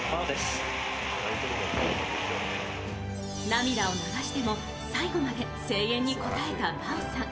涙を流しても最後まで声援に応えた真央さん。